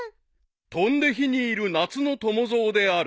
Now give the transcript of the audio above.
［飛んで火に入る夏の友蔵である］